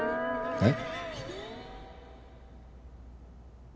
えっ？